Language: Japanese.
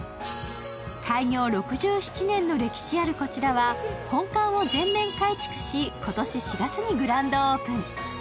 開業６７年の歴史あるこちらは本館を全面改築し、今年４月にグランドオープン。